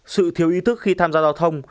sự thiếu ý thức khi tham gia giao thông